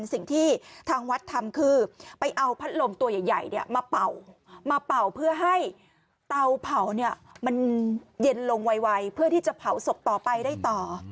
สิ่งที่ทางวัดทำคือไปเอาพัดลมตัวใหญ่มาเป่ามาเป่าเพื่อให้เตาเผาเนี่ยมันเย็นลงไวเพื่อที่จะเผาศพต่อไปได้ต่อ